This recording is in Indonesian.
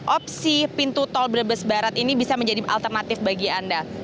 opsi pintu tol brebes barat ini bisa menjadi alternatif bagi anda